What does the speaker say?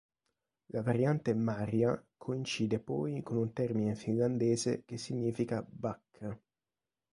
La variante "Marja" coincide poi con un termine finlandese che significa "bacca".